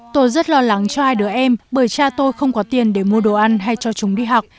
tôi rất lo lắng cho hai đứa em bởi cha tôi không có tiền để mua đồ ăn hay cho chúng đi học